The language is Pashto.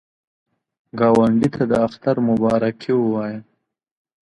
ګاونډي ته د اختر مبارکي ووایه